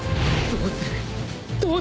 どうする！？